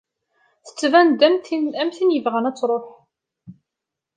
Tettban-d am tin yebɣan ad tṛuḥ.